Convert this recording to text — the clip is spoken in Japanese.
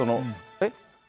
えっ？